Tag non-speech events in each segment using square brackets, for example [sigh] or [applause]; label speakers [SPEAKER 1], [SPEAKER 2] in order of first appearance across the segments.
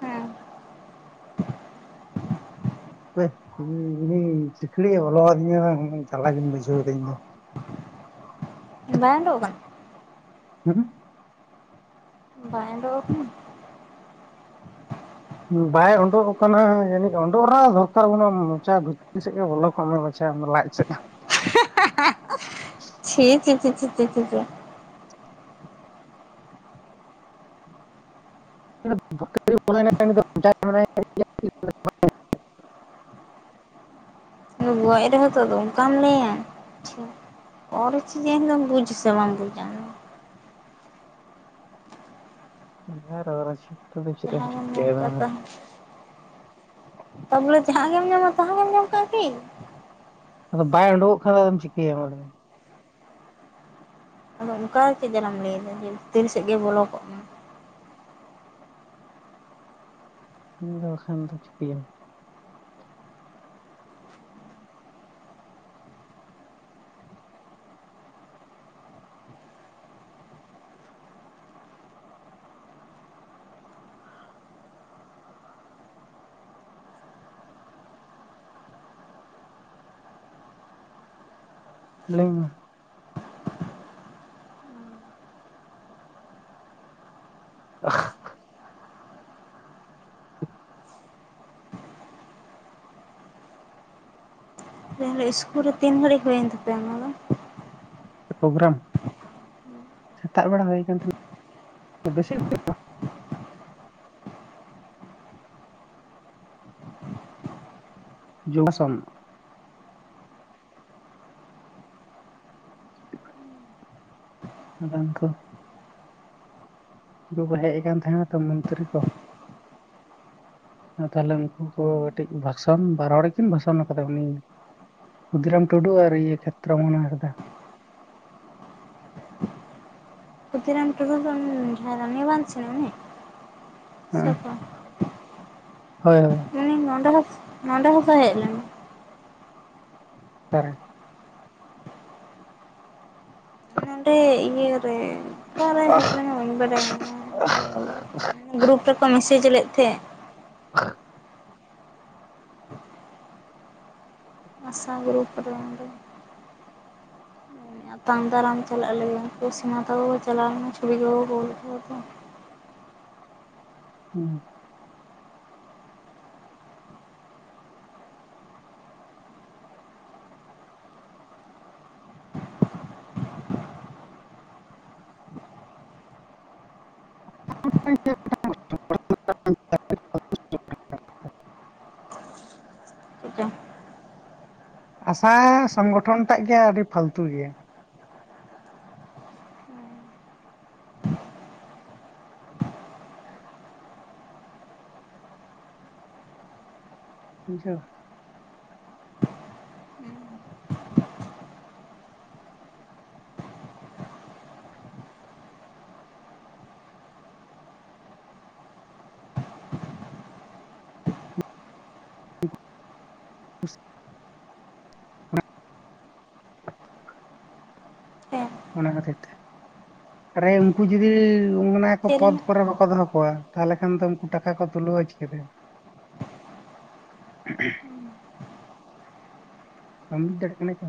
[SPEAKER 1] ᱦᱮᱸ
[SPEAKER 2] ᱦᱟᱯᱮ ᱩᱱᱤ ᱥᱤᱠᱲᱤᱡ ᱵᱚᱞᱚ ᱟᱹᱫᱤᱧᱟ ᱵᱟᱝ ᱡᱟᱞᱟᱜᱮᱧ ᱵᱩᱡᱷᱟᱹᱣ ᱮᱟᱹᱤᱧ ᱤᱧ ᱫᱚ᱾
[SPEAKER 1] ᱵᱟᱝ ᱚᱰᱚᱠᱚᱜ ᱠᱟᱱᱟ [inaudible]
[SPEAKER 2] ᱦᱚᱢ
[SPEAKER 1] ᱵᱟᱝ ᱚᱰᱚᱠᱚᱜ ᱠᱟᱱᱟ
[SPEAKER 2] ᱵᱟᱭ ᱩᱰᱚᱜ ᱠᱟᱱᱟ ᱡᱟᱹᱱᱤᱡ ᱚᱰᱚᱜ ᱨᱮᱱᱟᱜ ᱫᱚᱨᱠᱟᱨ ᱵᱟᱹᱱᱩᱜ ᱢᱚᱪᱟ ᱜᱛᱤ ᱥᱮᱫ ᱜᱮ ᱵᱚᱞᱚ ᱠᱚᱜ ᱢᱮᱼᱼ ᱟᱪᱪᱷᱟ ᱞᱟᱡ ᱥᱮᱫ
[SPEAKER 1] ᱪᱷᱤ ᱪᱷᱤ ᱪᱷᱤ ᱪᱷᱤ ᱪᱷᱤ
[SPEAKER 2] [unintelligible]
[SPEAKER 1] ᱜᱚᱡ ᱨᱮᱦᱚᱸ ᱛᱚ ᱚᱱᱠᱟᱢ ᱞᱟᱹᱭᱟ ᱪᱷᱤᱼᱼ ᱚᱞᱪᱤᱠᱤ ᱫᱚᱢ ᱵᱩᱡ ᱟᱥᱮ ᱵᱟᱝ ᱵᱩᱡᱟ᱾
[SPEAKER 2] ᱟᱨ ᱚᱨᱩᱪᱷᱤ ᱠᱟᱛᱮᱛ ᱫᱚ ᱪᱮᱫᱼᱼ
[SPEAKER 1] ᱠᱟᱛᱟ ᱛᱟᱵᱚᱞᱤ ᱡᱟᱦᱟᱸ ᱜᱮᱢ ᱧᱟᱢᱟ ᱛᱟᱦᱟ ᱜᱮᱢ ᱡᱚᱢᱠᱟᱭᱟ ᱠᱤ
[SPEAKER 2] ᱟᱫᱚ ᱵᱟᱭ ᱩᱰᱳᱠᱚᱜ ᱠᱷᱟᱱ ᱫᱚᱢ ᱪᱤᱠᱟᱹᱭᱟᱢ ᱟᱫᱚ
[SPEAKER 1] ᱟᱫᱚ ᱚᱱᱠᱟ ᱜᱮᱠᱚ ᱡᱟᱱᱟᱢ ᱞᱟᱹᱭᱮᱫᱟ ᱡᱮ ᱵᱷᱤᱛᱤᱨ ᱥᱮᱫ ᱜᱮ ᱵᱚᱞᱚ ᱠᱚᱜ ᱢᱟ
[SPEAKER 2] ᱟᱫᱚ ᱵᱟᱠᱷᱟᱱ ᱫᱚ ᱪᱤᱠᱟᱹᱭᱟᱢ, ᱞᱟᱹᱭ ᱢᱮ [unintelligible]
[SPEAKER 1] ᱤᱧ ᱞᱟᱹᱭᱮᱜ-ᱟ ᱤᱥᱠᱩᱞ ᱨᱮ ᱛᱤᱱ ᱜᱷᱟᱹᱲᱤᱡ ᱦᱩᱭᱮᱱ ᱛᱟᱯᱮᱭᱟ ᱚᱱᱟ ᱫᱚ
[SPEAKER 2] ᱯᱨᱳᱜᱨᱟᱢ ᱥᱮᱛᱟᱜ ᱵᱮᱲᱟ ᱦᱩᱭ ᱟᱠᱟᱱ ᱛᱟᱞᱮ ᱵᱤᱥᱤ [unintelligible] ᱡᱚᱜᱟᱥᱚᱱ ᱟᱫᱷᱟᱱ ᱠᱚ ᱩᱱᱠᱩ ᱠᱚ ᱦᱮᱡ ᱟᱠᱟᱱ ᱛᱟᱦᱮᱸᱱᱟ ᱛᱚ ᱢᱚᱱᱛᱤᱨᱤ ᱠᱚᱼ ᱛᱟᱞᱦᱮ ᱩᱱᱠᱩ ᱠᱚ ᱠᱟᱹᱴᱤᱡ ᱵᱷᱟᱥᱚᱱ ᱵᱟᱨ ᱦᱚᱲ ᱠᱤᱱ ᱵᱷᱟᱥᱚᱱ ᱠᱟᱫᱟ ᱩᱱᱤᱼᱼ ᱠᱷᱩᱫᱷᱤᱨᱟᱢ ᱴᱩᱰᱩ ᱟᱨ ᱤᱭᱟᱹ ᱠᱷᱮᱛᱨᱚ ᱢᱚᱦᱚᱱ ᱦᱟᱸᱥᱫᱟ᱾
[SPEAKER 1] ᱠᱷᱩᱫᱤ ᱨᱟᱢ ᱴᱩᱰᱩ ᱫᱚ ᱡᱟᱦᱟᱸ ᱨᱟᱱᱤ ᱵᱟᱸᱫᱷᱚ ᱥᱮᱱ ᱨᱮᱱ ᱩᱱᱤ? ᱥᱮ
[SPEAKER 2] ᱦᱮᱸ
[SPEAKER 1] ᱚᱠᱚᱭ
[SPEAKER 2] ᱦᱳᱭ ᱦᱳᱭ
[SPEAKER 1] ᱩᱱᱤ ᱱᱚᱰᱮ ᱦᱚᱸ ᱱᱚᱰᱮ ᱦᱚᱸ ᱛᱚᱭ ᱦᱮᱸᱡ ᱞᱮᱱᱟ᱾
[SPEAKER 2] ᱚᱠᱟᱨᱮ?
[SPEAKER 1] ᱱᱚᱸᱰᱮ ᱤᱭᱟᱹᱨᱮ ᱚᱠᱟᱨᱮ ᱦᱮᱡ ᱞᱮᱱᱟ ᱵᱟᱹᱧ ᱵᱟᱰᱟᱭᱟ ᱜᱨᱩᱯ ᱨᱮᱠᱚ ᱢᱮᱥᱮᱡ ᱞᱮᱫ ᱛᱮᱦᱮᱡ
[SPEAKER 2] [unintelligible]
[SPEAKER 1] ᱪᱷᱟ ᱜᱨᱩᱯ ᱠᱚᱨᱮ ᱚᱝᱜᱮ ᱟᱛᱟᱝ ᱫᱟᱨᱟᱢ ᱪᱟᱞᱟᱜ ᱞᱟᱹᱭᱟᱠᱚ ᱚᱥᱤᱢᱟ ᱛᱟᱠᱚ ᱠᱚ ᱪᱟᱞᱟᱣ ᱞᱮᱱᱟ ᱪᱷᱩᱵᱤ ᱠᱚᱠᱚ ᱠᱩᱞ ᱠᱮᱫᱟ ᱛᱚ᱾
[SPEAKER 2] ᱦᱩᱸ [inaudible]
[SPEAKER 1] ᱪᱮᱫᱪᱚᱝ?
[SPEAKER 2] ᱟᱥᱟ ᱥᱚᱝᱜᱚᱴᱷᱚᱱ ᱴᱟᱜ ᱜᱮ ᱟᱹᱰᱤ ᱯᱷᱟᱹᱞᱛᱩ ᱜᱮᱭᱟ᱾ ᱵᱩᱷᱟᱹᱣ
[SPEAKER 1] ᱦᱮᱸ
[SPEAKER 2] ᱚᱱᱟ ᱠᱷᱟᱹᱛᱤᱨ ᱛᱮ ᱟᱨᱮ ᱩᱱᱠᱩ ᱡᱩᱫᱤ ᱚᱱᱟ ᱠᱚ
[SPEAKER 1] ᱪᱮᱫ
[SPEAKER 2] ᱯᱚᱫ
[SPEAKER 1] ᱨᱮᱱᱟᱜ
[SPEAKER 2] ᱠᱚᱨᱮ ᱵᱟᱠᱚ ᱫᱚᱦᱚ ᱠᱚᱣᱟ ᱛᱟᱞᱦᱮ ᱠᱷᱟᱱ ᱫᱚ ᱩᱱᱠᱩ ᱴᱟᱠᱟ ᱠᱚ ᱛᱩᱞᱟᱹᱣ ᱪᱤᱠᱟᱹ ᱛᱮ? ᱵᱟᱹᱧ ᱵᱩᱡ ᱫᱟᱲᱮᱭᱟᱜ ᱠᱟᱱᱟ ᱠᱤ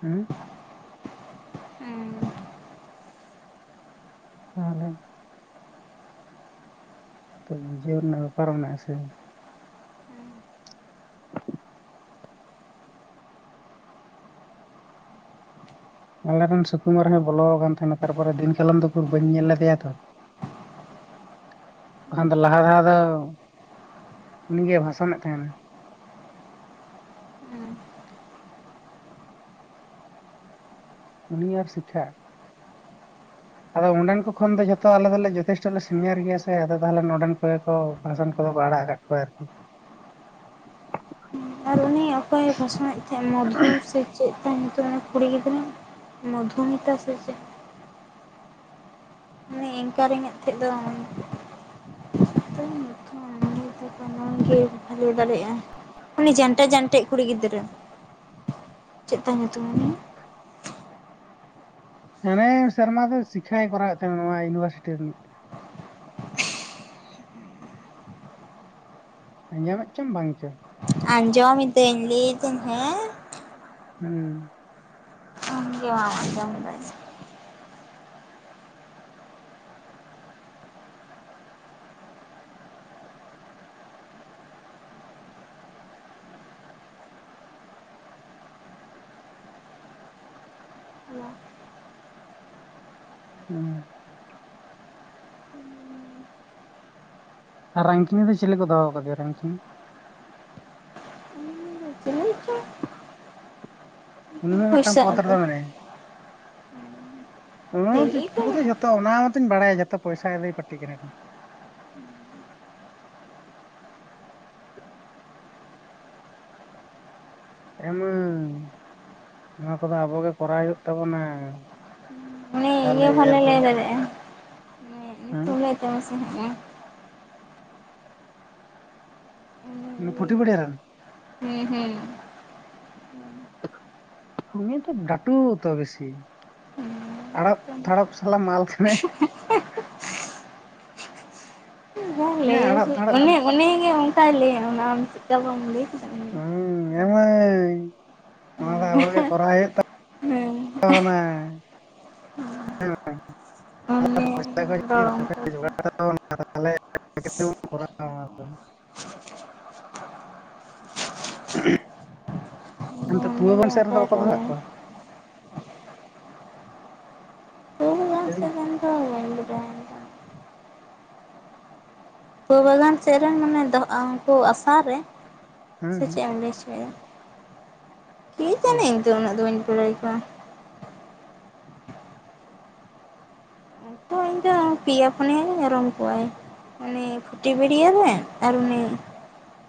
[SPEAKER 2] ᱦᱩᱸ ᱛᱟᱦᱚᱞᱮ ᱛᱚ ᱵᱩᱡᱷᱟᱣ ᱨᱮᱱᱟᱜ ᱵᱮᱯᱟᱨ ᱨᱮᱱᱟᱜ ᱵᱮᱯᱟᱨ ᱢᱮᱱᱟᱜ ᱟ ᱥᱮ ᱟᱞᱮ ᱨᱮᱱ ᱥᱩᱠᱩᱢᱟᱨ ᱦᱚᱸᱭ ᱵᱚᱞᱚᱣᱟ ᱟᱠᱟᱱ ᱛᱟᱦᱮᱸᱱᱟ ᱛᱟᱨᱯᱚᱨᱮ ᱫᱤᱱ ᱠᱟᱞᱚᱢ ᱫᱚ ᱩᱠᱩᱨ ᱵᱟᱹᱧ ᱧᱮᱞ ᱞᱮᱫᱮᱭᱟ ᱛᱚ᱾ ᱵᱟᱠᱷᱟᱱ ᱫᱚ ᱞᱟᱦᱟ ᱫᱷᱟᱣ ᱫᱚ ᱩᱱᱤᱜᱮᱭ ᱵᱷᱟᱥᱚᱱᱮᱫ ᱛᱟᱦᱮᱸᱱᱟ᱾
[SPEAKER 1] ᱩᱸ
[SPEAKER 2] ᱩᱱᱤ ᱟᱨ ᱥᱤᱠᱷᱟ᱾ ᱟᱫᱚ ᱚᱸᱰᱮᱱ ᱠᱚ ᱠᱷᱚᱱ ᱫᱚ ᱡᱚᱛᱚ ᱟᱞᱮ ᱫᱚᱞᱮ ᱡᱚᱛᱷᱮᱥᱴᱚ ᱞᱮ ᱥᱤᱱᱤᱭᱟᱨ ᱜᱮᱭᱟ ᱥᱮ ᱟᱫᱚ ᱛᱟᱦᱚᱞᱮ ᱱᱚᱰᱮᱱ ᱠᱚᱜᱮ ᱠᱚ ᱵᱷᱟᱥᱚᱱ ᱠᱚᱫᱚ ᱠᱚ ᱟᱲᱟᱜ ᱟᱠᱟᱫ ᱯᱟᱨᱠᱤ
[SPEAKER 1] ᱟᱨ ᱩᱱᱤ ᱚᱠᱚᱭᱮ ᱯᱟᱥᱚᱱᱮᱫ ᱛᱟᱦᱮᱸᱫ ᱢᱚᱫᱷᱩ ᱥᱮ ᱪᱮᱫ ᱛᱟᱭ ᱧᱩᱛᱩᱢ ᱩᱱᱤ ᱠᱩᱲᱤ ᱜᱤᱫᱽᱨᱟᱹ ᱢᱫᱷᱩᱢᱤᱛᱟ ᱥᱮ ᱪᱮᱫ? ᱩᱱᱤ ᱮᱝᱠᱟᱨᱤᱧ ᱮᱫ ᱛᱮᱦᱮᱸᱫ ᱫᱚ ᱥ ᱜᱮ ᱵᱷᱟᱹᱮ [unintelligible] ᱫᱟᱲᱮᱭᱟᱜᱼᱟ ᱩᱱᱤ ᱡᱟᱱᱴᱟ ᱡᱟᱱᱴᱮᱡ ᱠᱩᱲᱤ ᱜᱤᱫᱽᱨᱟᱹ ᱪᱮᱜ ᱛᱟᱭ ᱧᱩᱛᱩᱢ ᱩᱱᱤ?
[SPEAKER 2] ᱮᱱᱮ ᱥᱮᱨᱢᱟ ᱫᱚ ᱥᱤᱠᱷᱟᱭ ᱠᱚᱨᱟᱣ ᱮᱫ ᱛᱟᱦᱮᱱᱟ ᱱᱚᱣᱟ ᱤᱭᱩᱱᱤᱵᱷᱟᱨᱥᱤᱴᱤ ᱨᱤᱱᱤᱡ᱾ ᱟᱸᱡᱚᱢᱮᱜ ᱪᱚᱢ ᱵᱟᱝ ᱪᱚ?
[SPEAKER 1] ᱟᱸᱡᱚ ᱢᱤᱫᱟᱹᱧ ᱞᱟᱹᱭ ᱫᱟᱹᱧ ᱦᱮᱸ᱾
[SPEAKER 2] ᱦᱩᱸ
[SPEAKER 1] ᱫᱷᱠ ᱜᱮ ᱫᱷᱚᱱᱚᱵᱟᱭ [unintelligible]
[SPEAKER 2] ᱦᱩᱸ ᱟᱨ ᱨᱟᱱᱠᱷᱤᱱᱤ ᱫᱚ ᱪᱤᱞᱤ ᱠᱚ ᱫᱚᱦᱚᱮ ᱠᱟᱫᱮᱭᱟ ᱨᱟᱱᱠᱤᱱᱤ?
[SPEAKER 1] ᱪᱤᱞᱤ ᱪᱚ
[SPEAKER 2] ᱩᱱᱤ ᱦᱚᱸ ᱢᱮᱜᱴᱟᱝ
[SPEAKER 1] ᱯᱩᱭᱥᱟᱹ
[SPEAKER 2] ᱯᱚᱫ
[SPEAKER 1] ᱟᱫᱚ
[SPEAKER 2] ᱨᱮᱫᱚ ᱢᱮᱱᱟᱭᱟ᱾ ᱚᱱᱟ ᱫᱤ
[SPEAKER 1] ᱪᱤᱞᱤ
[SPEAKER 2] ᱠᱩ
[SPEAKER 1] ᱠᱚ
[SPEAKER 2] ᱫᱚ
[SPEAKER 1] ᱢᱮᱱᱟᱜ
[SPEAKER 2] ᱡᱷᱚᱛᱚ
[SPEAKER 1] ᱠᱚᱣᱟ
[SPEAKER 2] ᱚᱱᱟ ᱦᱚᱸᱚᱛᱚᱧ ᱵᱟᱲᱟᱭᱟ ᱡᱚᱛᱚ ᱯᱚᱭᱥ ᱟᱹᱫᱚᱭ ᱯᱟᱹᱴᱤ ᱠᱟᱱᱟᱤᱱ [inaudible] ᱮ ᱢᱟᱹᱭ ᱱᱚᱣᱟ ᱠᱚᱫᱚ ᱟᱵᱚ ᱜᱮ ᱠᱚᱨᱟᱣ ᱦᱩᱭᱩᱜ ᱛᱟᱵᱚᱱᱟ᱾
[SPEAKER 1] ᱩᱱᱤ
[SPEAKER 2] ᱛᱟᱦᱚᱞᱮ
[SPEAKER 1] ᱤᱭᱟᱹ ᱮ
[SPEAKER 2] ᱤᱭᱟᱹᱨ
[SPEAKER 1] ᱵᱷᱞᱮ ᱞᱟᱹᱭ
[SPEAKER 2] ᱯᱚᱨᱮ
[SPEAKER 1] ᱫᱟᱨᱮ ᱟ
[SPEAKER 2] ᱦᱮᱸ
[SPEAKER 1] ᱛᱩᱞᱟᱹᱭ ᱪ ᱢᱮ ᱥᱮᱮ ᱦᱮ [unintelligible]
[SPEAKER 2] ᱤᱱᱤ ᱯᱷᱩᱴᱤ ᱯᱤᱰᱟᱹ ᱨᱮᱮ?
[SPEAKER 1] ᱦᱩᱸ ᱦᱩᱸ
[SPEAKER 2] ᱩᱱᱤ ᱛᱚ ᱰᱟᱴᱩ ᱛᱚ ᱵᱤᱥᱤ ᱟᱲᱚᱯ ᱛᱷᱟᱲᱚᱯ ᱥᱟᱞᱟᱜ ᱢᱟᱞ ᱠᱟᱱᱟᱭ ᱦᱮᱸ ᱟᱲᱟᱜ ᱛᱟᱲᱟᱜ ᱠᱚ
[SPEAKER 1] ᱚᱱᱮ ᱩᱱᱤ ᱜᱮ ᱚᱱᱠᱟᱭ ᱞᱟᱹᱭ ᱟᱢ ᱪᱮᱫ ᱠᱟ ᱵᱟᱢ ᱞᱟᱹᱭ ᱠᱮᱫᱟ ᱩᱱᱤ
[SPEAKER 2] ᱦᱩᱸ ᱮᱢ ᱢᱟᱹᱭ ᱱᱚᱣᱟ ᱫᱚ ᱟᱵᱚᱜᱮ ᱠᱚᱨᱟᱣᱮᱫ
[SPEAKER 1] ᱦᱮᱸ
[SPEAKER 2] ᱛᱟᱵᱚᱱᱟ
[SPEAKER 1] ᱩᱱᱤ ᱨᱚᱲ
[SPEAKER 2] [unintelligible]
[SPEAKER 1] ᱚᱱᱠᱟ ᱜᱮ
[SPEAKER 2] ᱛᱟᱵᱚᱱᱟ ᱛᱟᱦᱚᱞᱮ ᱪᱤᱠᱟᱹᱛᱮᱵᱚᱱ ᱠᱚᱨᱟᱣᱟ ᱦᱟᱱᱛᱮ
[SPEAKER 1] ᱩᱱᱤ ᱜᱮ
[SPEAKER 2] ᱯᱩᱣᱟᱹᱵᱚᱝ ᱥᱮᱜ ᱨᱮᱫᱚ
[SPEAKER 1] ᱚᱱᱠᱟᱭ
[SPEAKER 2] ᱵᱟᱠᱚ ᱫᱚᱦᱚᱜ
[SPEAKER 1] ᱨᱚᱲᱟ
[SPEAKER 2] ᱠᱚᱣᱟ᱾
[SPEAKER 1] ᱦᱩᱲᱩ ᱵᱟᱜᱟᱱ ᱥᱮᱫ
[SPEAKER 2] [inaudible]
[SPEAKER 1] ᱨᱮᱱ ᱫᱚ ᱵᱟᱹᱧ ᱵᱟᱰᱟᱭᱟ ᱵᱟᱞᱟᱱ ᱥᱮᱜ ᱨᱮᱱ ᱢᱟᱱᱮ ᱫᱚᱜᱼᱟᱸ ᱩᱝᱠᱩ ᱟᱥᱟᱨ ᱨᱮ,
[SPEAKER 2] ᱦᱮᱸ
[SPEAKER 1] ᱥᱮ
[SPEAKER 2] ᱦᱮᱸ
[SPEAKER 1] ᱪᱮᱜ ᱮᱢ ᱞᱟᱹᱭ ᱦᱚᱪᱚᱭᱫᱟ? ᱠᱮ
[SPEAKER 2] ᱦᱳᱭ
[SPEAKER 1] ᱡᱟᱱᱤ ᱤᱧᱫᱚ ᱩᱱᱟᱹᱜ ᱫᱚ ᱵᱟᱹᱧ ᱯᱩᱞᱟᱹᱭ ᱠᱚᱣᱟ᱾ ᱛᱚ ᱤᱧ ᱫᱚ ᱯᱮᱭᱟ ᱯᱤᱭᱟ ᱜᱮᱧ ᱩᱨᱩᱢ ᱠᱚᱣᱟ ᱩᱱᱤ ᱯᱷᱩᱴᱤᱵᱤᱲᱭᱟᱹ ᱨᱮᱱ ᱟᱨ ᱩᱱᱤ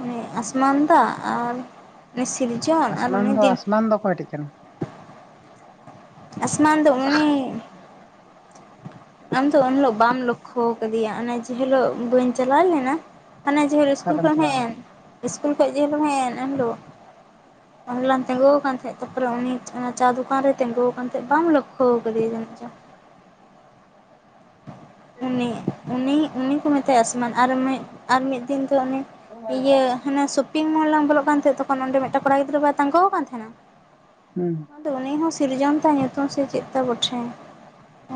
[SPEAKER 1] ᱩᱱᱤ ᱟᱥᱢᱟᱱᱫᱟ ᱟᱨ ᱩᱱᱤ ᱥᱤᱨᱡᱚᱱ ᱟᱨ ᱩᱱᱤ ᱫᱤᱱ
[SPEAKER 2] ᱢᱟᱱᱫᱚ ᱠᱚᱭᱴᱤ ᱠᱟᱱᱤ?
[SPEAKER 1] ᱟᱥᱢᱟᱱ ᱫᱚ ᱩᱱᱤ ᱟᱢ ᱫᱚ ᱩᱱ ᱦᱤᱞᱳᱜ ᱵᱟᱢ ᱞᱚᱠᱠᱷᱚᱣ ᱠᱟᱫᱮᱭᱟ ᱚᱱᱮ ᱡᱮ ᱦᱤᱞᱳᱜ ᱵᱟᱹᱧ ᱪᱟᱞᱟᱣ ᱞᱮᱱᱟ? ᱦᱟᱱᱮ ᱡᱮ ᱦᱮᱞᱳᱜ ᱥᱠᱩᱞ
[SPEAKER 2] ᱚᱠᱟᱛᱮᱢ
[SPEAKER 1] ᱠᱷᱚᱡ ᱮᱢ ᱦᱮᱡ
[SPEAKER 2] ᱪᱟᱞᱟᱣ
[SPEAKER 1] ᱮᱱ ᱥᱠᱩᱞ ᱠᱷᱚᱡ ᱡᱮ ᱦᱮᱞᱳᱜ ᱮᱢ ᱦᱮᱡ ᱮᱱ ᱮᱱᱦ ᱦᱤᱞᱳᱜ᱾ ᱚᱱᱮ ᱞᱟᱝ ᱛᱤᱸᱜᱩᱣ ᱠᱟᱱ ᱛᱟᱦᱮᱸᱜ ᱛᱟᱯᱚᱨᱮ ᱩᱱᱤ ᱚᱱᱟ ᱪᱟ ᱫᱚᱠᱟᱱ ᱨᱮᱭ ᱛᱤᱸᱜᱩᱣ ᱠᱟᱱ ᱛᱟᱦᱮᱸᱜ ᱵᱟᱢ ᱞᱚᱠᱠᱷᱚᱣ ᱠᱟᱫᱮᱭᱟ ᱡᱟᱹᱱᱤᱡ ᱪᱚ᱾ ᱩᱱᱤ ᱩᱱᱤ ᱩᱱᱤ ᱠᱚ ᱢᱮᱛᱟᱭᱟ ᱥᱢᱟᱱ ᱟᱨ ᱢᱤᱜ ᱟᱨ ᱢᱤᱫ ᱫᱤᱱ ᱫᱚ ᱩᱱᱤ
[SPEAKER 2] ᱞᱮᱱᱟ
[SPEAKER 1] ᱤᱭᱟᱹ ᱦᱟᱱᱮ ᱥᱚᱯᱤᱝ ᱢᱚᱞ ᱞᱟᱝ ᱵᱚᱞᱚᱜ ᱠᱟᱱ ᱛᱟᱦᱮᱸᱜ ᱛᱚᱠᱷᱚᱱ ᱚᱸᱰᱮ ᱢᱤᱫᱴᱟᱝ ᱠᱚᱲᱟ ᱜᱤᱫᱽᱨᱟᱹ ᱵᱟᱭ ᱛᱟᱸᱜᱩᱣ ᱠᱟᱱ ᱛᱟᱦᱮᱸᱱᱟ?
[SPEAKER 2] ᱦᱩᱸ
[SPEAKER 1] ᱟᱫᱚ ᱩᱱᱤ ᱦᱚᱸ ᱥᱤᱨᱡᱚᱱ ᱛᱟᱭᱟ ᱧᱩᱛᱩᱢ ᱥᱮ ᱪᱮᱫᱛᱟᱭ ᱵᱚᱴᱷᱮ᱾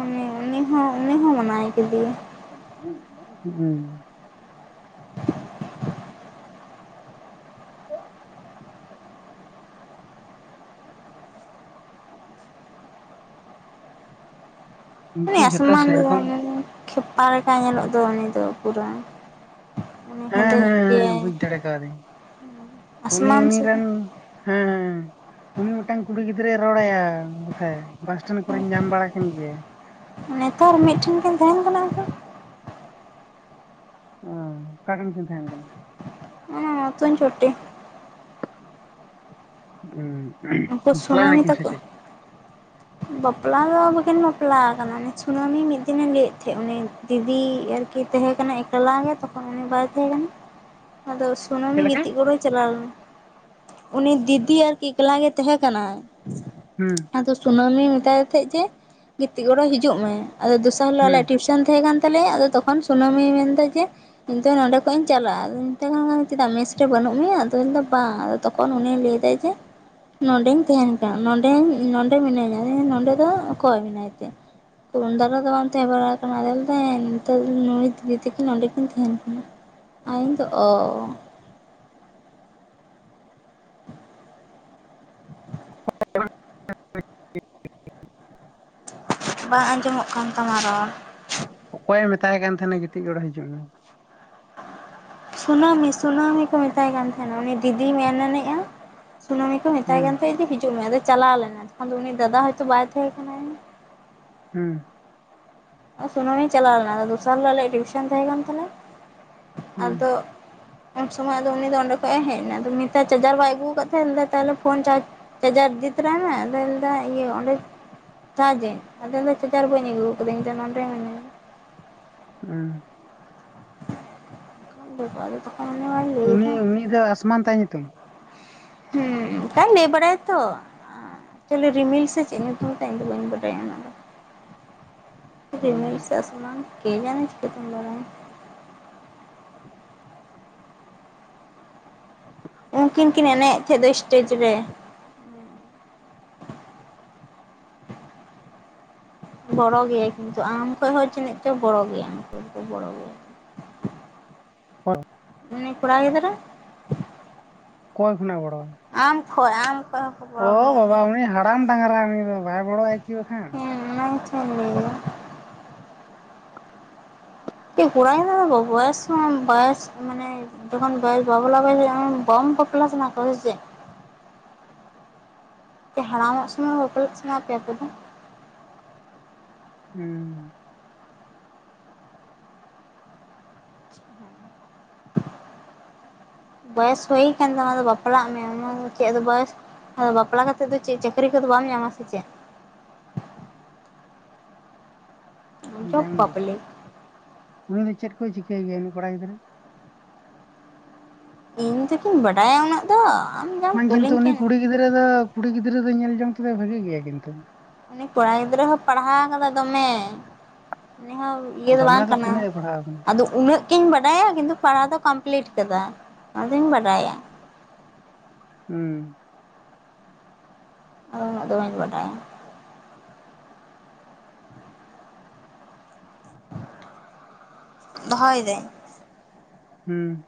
[SPEAKER 1] ᱩᱱᱤ ᱩᱱᱤ ᱦᱚᱸ ᱩᱱᱤ ᱦᱚᱸ ᱢᱱᱟᱭ ᱠᱮᱫᱮᱭᱟ᱾
[SPEAKER 2] ᱩᱸ
[SPEAKER 1] ᱩᱱᱤ
[SPEAKER 2] ᱩᱱᱠᱩ ᱡᱷᱚᱛᱚ
[SPEAKER 1] ᱟᱥᱢᱟᱱ ᱫᱚ
[SPEAKER 2] ᱥᱮᱨᱚᱠᱚᱢ
[SPEAKER 1] ᱠᱷᱮᱯᱟ ᱞᱮᱠᱟ ᱧᱮᱞᱚᱜ ᱫᱚ ᱩᱱᱤ ᱫᱚ ᱯᱩᱨᱟᱹ᱾ ᱩᱱᱤ
[SPEAKER 2] ᱦᱮᱸ
[SPEAKER 1] ᱦᱮᱸᱫᱮ
[SPEAKER 2] ᱦᱮᱸ
[SPEAKER 1] ᱧᱚᱜ
[SPEAKER 2] ᱦᱮᱸ
[SPEAKER 1] ᱜᱮᱭᱟᱭ
[SPEAKER 2] ᱵᱩᱡ ᱫᱟᱲᱮ ᱠᱟᱣᱫᱤᱧ ᱩᱱᱤ
[SPEAKER 1] ᱟᱥᱢᱟᱱ
[SPEAKER 2] ᱩᱱᱤ
[SPEAKER 1] ᱥᱮ
[SPEAKER 2] ᱨᱮᱱ ᱦᱮᱸ ᱦᱮᱸ ᱦᱮᱸ ᱩᱱᱤ ᱢᱤᱫᱴᱟᱝ ᱠᱩᱲᱤ ᱜᱤᱫᱽᱨᱟᱹᱭ ᱨᱚᱲᱟᱭᱟ ᱵᱚᱴᱷᱮ ᱵᱟᱥ ᱥᱴᱮᱱᱰ ᱠᱚᱨᱮᱧ ᱧᱟᱢ ᱵᱟᱲᱟ ᱠᱤᱱ ᱜᱮᱭᱟ᱾
[SPEAKER 1] ᱱᱮᱛᱟᱨ ᱢᱤᱫᱴᱷᱮᱱ ᱠᱤᱱ ᱛᱟᱦᱮᱱ ᱠᱟᱱᱟ ᱩᱱᱠᱤᱱ᱾
[SPEAKER 2] ᱚᱸ ᱚᱠᱟᱴᱷᱮᱱ ᱠᱤᱱ ᱛᱟᱦᱮᱱ ᱠᱟᱱᱟ?
[SPEAKER 1] [unintelligible] ᱪᱷᱴᱴᱤ ᱩᱱᱠᱩ
[SPEAKER 2] ᱦᱩᱸ ᱵᱟᱯᱞᱟᱭ
[SPEAKER 1] ᱥᱩᱱᱟᱹᱢᱤ
[SPEAKER 2] ᱠᱤᱱ ᱥᱮ
[SPEAKER 1] ᱛᱟᱠᱚ
[SPEAKER 2] ᱪᱮᱜ?
[SPEAKER 1] ᱵᱟᱯᱞᱟ ᱫᱚ ᱵᱟᱠᱤᱱ ᱵᱟᱯᱞᱟᱣ ᱠᱟᱱᱟ ᱩᱱᱤ ᱥᱩᱱᱟᱹᱢᱤ ᱢᱤᱫ ᱫᱤᱱᱮ ᱞᱟᱹᱭᱮᱜ ᱛᱟᱦᱮᱸᱜ ᱩᱱᱤ ᱫᱤᱫᱤ ᱟᱨᱠᱤ ᱛᱟᱦᱮᱸ ᱠᱟᱱᱟ ᱮᱠᱞᱟ ᱜᱮ ᱛᱚᱠᱷᱚᱱ ᱩᱱᱤ ᱵᱟᱭ ᱛᱟᱦᱮᱸ ᱠᱟᱱᱟ ᱟᱫᱚ ᱥᱩᱱᱟᱹᱢᱤ
[SPEAKER 2] ᱪᱮᱫ ᱞᱮᱠᱟ?
[SPEAKER 1] ᱜᱤᱛᱤᱜ ᱜᱚᱲᱚᱣ ᱪᱟᱞᱟᱣ ᱞᱮᱱᱟ᱾ ᱩᱱᱤ ᱫᱤᱫᱤ ᱟᱨᱠᱤ ᱮᱠᱞᱟ ᱜᱮ ᱛᱟᱦᱮᱸ ᱠᱟᱱᱟᱭ᱾
[SPEAKER 2] ᱦᱩᱸ
[SPEAKER 1] ᱟᱫᱚ ᱥᱩᱱᱟᱹᱢᱤ ᱢᱮᱛᱟᱭ ᱫᱤ ᱛᱟᱦᱮᱸᱜ ᱡᱮ ᱜᱤᱛᱤᱜ ᱜᱚᱲᱚ ᱦᱤᱡᱩᱜ ᱢᱮ, ᱟᱫᱚ ᱫᱚᱥᱟᱨ ᱦᱤᱞᱟᱹᱜ ᱟᱞᱮᱭᱟᱜ
[SPEAKER 2] ᱦᱩᱸ
[SPEAKER 1] ᱴᱤᱭᱩᱥ ᱥᱚᱱ ᱛᱟᱦᱮᱸ ᱠᱟᱱ ᱛᱟᱞᱮᱭᱟ ᱟᱫᱚ ᱛᱚᱠᱷᱚᱱ ᱥᱩᱱᱟᱹᱢᱤ ᱢᱮᱱ ᱫᱟ ᱡᱮ ᱤᱧᱫᱚ ᱱᱚᱸᱰᱮ ᱠᱷᱚᱡ ᱤᱧ ᱪᱟᱞᱟᱜᱼᱟ ᱟᱫᱚ [unintelligible] ᱪᱮᱫᱟᱜ ᱢᱮᱥ ᱨᱮ ᱵᱟᱹᱱᱩᱜ ᱢᱮᱭᱟ ᱟᱫᱚ ᱞᱟᱹᱭᱫᱟ ᱵᱟᱝ᱾ ᱛᱚᱠᱷᱚᱱ ᱩᱱᱤᱭ ᱞᱟᱹᱭᱫᱟᱭ ᱡᱮ, ᱱᱚᱸᱰᱮᱧ ᱛᱟᱦᱮᱱ ᱠᱟᱱᱟ, ᱱᱚᱰᱮᱧ ᱱᱚ ᱰᱮ ᱢᱤᱱᱟᱹᱧᱟ [unintelligible] ᱱᱚᱸᱰᱮ ᱫᱚ ᱚᱠᱚᱭ ᱢᱮᱱᱟᱭ ᱛᱮ? ᱛᱩᱱ ᱫᱟᱨᱟ ᱫᱚ ᱵᱟᱝ ᱛᱟᱦᱮᱸ ᱵᱟᱲᱟ ᱠᱟᱱᱟ ᱟᱫᱚ ᱞᱟᱹᱭᱫᱟ ᱦᱮᱸ ᱱᱤᱛᱟᱨ ᱱᱩᱭ ᱫᱤᱫᱤ ᱛᱮᱠᱤᱱ ᱚᱸᱰᱮ ᱠᱤᱱ ᱛᱟᱦᱮᱱ ᱠᱟᱱᱟ᱾ ᱟ ᱤᱧ ᱛᱚ ᱚ
[SPEAKER 2] [unintelligible]
[SPEAKER 1] ᱵᱟᱝ ᱟᱸᱡᱚᱢᱚᱜ ᱠᱟᱱ ᱛᱟᱢᱟ ᱨᱚᱲ᱾
[SPEAKER 2] ᱚᱠᱚᱭᱮ ᱢᱮᱛᱟᱭ ᱠᱟᱱ ᱛᱟᱦᱮᱱᱟ ᱠᱟᱹᱤᱛᱤᱡ ᱜᱚᱲᱚᱜ ᱦᱤᱡᱩᱜ ᱢᱮ?
[SPEAKER 1] ᱥᱱᱟᱹᱢᱤ ᱥᱩᱱᱟᱹᱢᱤ ᱠᱚ ᱢᱮᱛᱟᱭ ᱠᱟᱱ ᱛᱟᱦᱮᱱᱟ ᱩᱱᱤ ᱫᱤᱫᱤᱭ ᱢᱮᱱ ᱟᱱᱮᱜᱼᱟ ᱥᱱᱟᱹᱢᱤ ᱠᱚ ᱢᱮᱛᱟᱭ ᱠᱟᱱ
[SPEAKER 2] ᱦᱩᱸ
[SPEAKER 1] ᱛᱟᱦᱮᱸᱜ ᱡᱮ ᱦᱤᱡᱩᱜ ᱢᱮ ᱟᱫᱚ ᱪᱟᱞᱟᱣ ᱞᱮᱱᱟ, ᱛᱚᱠᱷᱚᱱ ᱩᱱᱤ ᱫᱟᱫᱟ ᱦᱚᱭᱛᱳ ᱵᱟᱭ ᱛᱟᱦᱮᱸ ᱠᱟᱱᱟᱭ᱾
[SPEAKER 2] ᱦᱩᱸ
[SPEAKER 1] ᱥᱩᱱᱟᱹᱢᱤᱭ ᱪᱟᱞᱟᱣ ᱞᱮᱱᱟ ᱟᱫᱚ ᱫᱚᱥᱟᱨ ᱦᱤᱞᱳᱜ ᱟᱞᱮᱭᱟᱜ ᱴᱤᱭᱩᱥᱚᱱ ᱛᱟᱦᱮᱸ ᱠᱟᱱ ᱛᱟᱞᱮ᱾ ᱟᱫᱚ
[SPEAKER 2] ᱦᱩᱸ
[SPEAKER 1] ᱩᱱ ᱥᱚᱢᱚᱭ ᱟᱫᱚ ᱩᱱᱤ ᱫᱚ ᱚᱸᱰᱮ ᱠᱷᱚᱱᱚᱡ ᱮ ᱦᱮᱡ ᱮᱱᱟ ᱟᱫᱚ ᱱᱤᱛᱟ ᱪᱟᱨᱡᱟᱨ ᱵᱟᱭ ᱟᱹᱜᱩᱣᱟ ᱟᱠᱟᱫ ᱛᱟᱦᱮᱸ ᱛᱟᱦᱚᱞᱮ ᱯᱷᱳᱱ ᱪᱟᱨᱡᱽ ᱪᱟᱡᱟᱨ ᱤᱫᱤ ᱛᱟᱨᱟᱭ ᱢᱮ ᱟᱫᱚᱭ ᱢᱮᱱᱫᱟ ᱤᱭᱟᱹ ᱚᱸᱰᱮ ᱪᱟᱡᱤᱝ ᱟᱫᱚ ᱢᱮᱫᱟᱭ ᱪᱟᱡᱟᱨ ᱵᱟᱹᱧ ᱟᱹᱜᱩ ᱟᱠᱟᱫᱟ ᱤᱧ ᱫᱚ ᱱᱚᱸᱰᱮ ᱢᱮᱱᱟᱧᱟᱹ
[SPEAKER 2] ᱦᱮᱸ
[SPEAKER 1] ᱟᱫᱚ [unintelligible] ᱢᱟᱭ
[SPEAKER 2] ᱩᱱᱤ
[SPEAKER 1] ᱞᱟᱹᱭᱫᱟ
[SPEAKER 2] ᱩᱱᱤ ᱫᱚ ᱟᱥᱢᱟᱱ ᱛᱟᱭ ᱧᱩᱛᱩᱢ?
[SPEAKER 1] ᱦᱩᱸ ᱚᱸᱠᱟᱭ ᱞᱮᱵᱟᱨᱟᱭ ᱛᱚ ᱪᱤᱞᱤ ᱨᱤᱢᱤᱞ ᱥᱮ ᱪᱮᱫ ᱧᱩᱛᱩᱢ ᱛᱟᱭ ᱤᱧ ᱫᱚ ᱵᱟᱹᱧ ᱵᱟᱰᱟᱭᱟ ᱩᱱᱟᱹᱜ ᱫᱚ ᱨᱤᱢᱤᱞ
[SPEAKER 2] ᱦᱩᱸ
[SPEAKER 1] ᱥᱮ ᱟᱥᱢᱟᱱ ᱠᱮ ᱡᱟᱱᱮ ᱪᱤᱠᱟᱹᱛᱮᱢ ᱵᱟᱲᱟᱭᱟ᱾ ᱩᱱᱠᱤᱱ ᱠᱤᱱ ᱮᱱᱮᱡ ᱛᱷᱮᱡ ᱫᱚ ᱥᱴᱮᱡᱽ ᱨᱮ ᱵᱚᱲᱚ ᱜᱮᱭᱟ ᱠᱤᱱᱛᱩ ᱟᱢ ᱠᱷᱚᱡ ᱦᱚᱸ ᱡᱟᱹᱱᱤᱡ ᱪᱚ ᱵᱚᱲᱚ ᱜᱮᱭᱟ ᱩᱱᱠᱩ ᱫᱚᱠᱚ ᱵᱚᱲᱚ ᱜᱮᱭᱟ᱾
[SPEAKER 2] [unintelligible]
[SPEAKER 1] ᱩᱱᱤ ᱠᱚᱲᱟ ᱜᱤᱫᱽᱨᱟᱹ᱾
[SPEAKER 2] ᱚᱠᱚᱭ ᱠᱷᱚᱱᱟᱜ ᱮ ᱵᱚᱲᱚ ᱟᱭ?
[SPEAKER 1] ᱟᱢ ᱠᱷᱚᱡ ᱟᱢ ᱠᱷᱚᱡ
[SPEAKER 2] ᱚ ᱵᱟᱵᱟ ᱩᱱᱤ ᱦᱟᱲᱟᱢ ᱰᱟᱝᱨᱟ ᱩᱱᱤ ᱫᱚ ᱵᱟᱭ ᱵᱚᱞᱚᱜᱼᱟ ᱪᱮᱫ ᱵᱟᱠᱷᱟᱱ?
[SPEAKER 1] ᱚᱱᱟ ᱜᱮᱛᱚᱧ ᱞᱟᱹᱭ ᱫᱟ᱾ ᱛᱮ ᱠᱚᱲᱟ [unintelligible] ᱵᱚᱭᱚᱥ ᱦᱚᱸ ᱵᱚᱭᱚᱥ ᱢᱟᱱᱮ ᱛᱚᱠᱷᱚᱱ [unintelligible] ᱵᱟᱢ ᱠᱚᱯᱞᱟ ᱥᱟᱱᱟ ᱠᱚᱣᱟ ᱥᱮ ᱪᱮᱫ? ᱪᱮ ᱦᱟᱲᱟᱢᱚᱜ ᱥᱚᱢᱚᱭ ᱵᱟᱯᱞᱟ ᱥᱟᱱᱟ ᱯᱮᱭᱟ ᱟᱯᱮ ᱫᱚ?
[SPEAKER 2] ᱦᱩᱸ
[SPEAKER 1] [unintelligible] ᱵᱚᱭᱚᱥ ᱦᱩᱭ ᱟᱠᱟᱱ ᱛᱟᱢ ᱚᱱᱟᱫᱚ ᱵᱟᱯᱞᱟᱜ ᱢᱮ ᱚᱱᱟ ᱪᱮᱫ ᱫᱚ ᱵᱚᱭᱮᱥ ᱟᱫᱚ ᱵᱟᱯᱞᱟ ᱠᱟᱛᱮᱫ ᱫᱚ ᱪᱮᱫ ᱪᱟᱹᱠᱨᱤ ᱠᱚᱫᱚ ᱵᱟᱢ ᱧᱟᱢᱟ ᱥᱮ ᱪᱮᱫ? ᱡᱚᱵ
[SPEAKER 2] ᱡᱟᱢ ᱞᱤ
[SPEAKER 1] ᱵᱟᱯᱞᱮ
[SPEAKER 2] ᱩᱱᱤ ᱫᱚ ᱪᱮᱫ ᱠᱚᱭ ᱪᱤᱠᱟᱹᱭ ᱜᱮᱭᱟ ᱩᱱᱤ ᱠᱚᱲᱟ ᱜᱤᱫᱽᱨᱟᱹ?
[SPEAKER 1] ᱤᱧ ᱫᱚᱠᱤᱱ ᱵᱟᱰᱟᱭᱟ ᱩᱱᱟᱹᱜ ᱛᱚ ᱟᱢ ᱫᱚ
[SPEAKER 2] ᱵᱟᱝ ᱠᱤᱱᱛᱩ ᱩᱱᱤ ᱠᱩᱲᱤ ᱜᱤᱫᱽᱨᱟᱹ ᱫᱚ ᱠᱩᱲᱤ ᱜᱤᱫᱽᱨᱟᱹ ᱫᱚ ᱧᱮᱞ ᱡᱚᱝ ᱛᱮᱫᱚ ᱵᱷᱟᱹᱜᱤ ᱜᱮᱭᱟ ᱠᱤᱱᱛᱩ
[SPEAKER 1] ᱩᱱᱤ ᱠᱚᱲᱟ ᱜᱤᱫᱽᱨᱟᱹ ᱦᱚᱸ ᱯᱟᱲᱦᱟᱣ ᱠᱟᱫᱟ ᱫᱚᱢᱮ ᱩᱱᱤ ᱦᱚᱸ ᱤᱭᱟ. ᱫᱚ
[SPEAKER 2] ᱫᱚᱢᱮ
[SPEAKER 1] ᱵᱟᱝ ᱠᱟᱱᱟ
[SPEAKER 2] ᱛᱤᱱᱟᱹᱜ ᱮ ᱯᱟᱲᱦᱟᱣ ᱟᱠᱟᱱᱟ᱾
[SPEAKER 1] ᱟᱫᱚ ᱩᱱᱟᱹᱜ ᱠᱤᱧ ᱵᱟᱰᱟᱭᱟ ᱠᱤᱱᱛᱩ ᱯᱟᱲᱦᱟᱣ ᱫᱚ ᱠᱚᱢᱯᱞᱤᱴ ᱠᱟᱫᱟᱭ ᱚᱱᱟᱫᱚᱧ ᱵᱟᱰᱟᱭᱟ᱾
[SPEAKER 2] ᱦᱩᱸ
[SPEAKER 1] [unintelligible] ᱩᱱᱟᱹᱜ ᱫᱚ ᱵᱟ. ᱧ ᱵᱟᱰᱟᱭᱟ᱾ ᱫᱚᱦᱚᱭ ᱫᱟᱹᱧ᱾
[SPEAKER 2] ᱦᱮᱸ